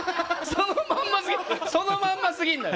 そのまんますぎんだよ。